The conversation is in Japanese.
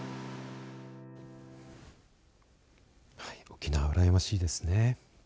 沖縄、うらやましいですね。